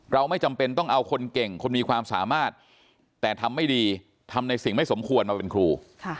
ไม่จำเป็นต้องเอาคนเก่งคนมีความสามารถแต่ทำไม่ดีทำในสิ่งไม่สมควรมาเป็นครู